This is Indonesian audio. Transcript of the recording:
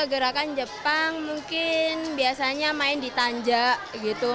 gerakan jepang mungkin biasanya main di tanja gitu